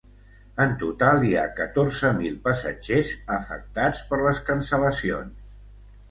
En total, hi ha catorze mil passatgers afectats per les cancel·lacions.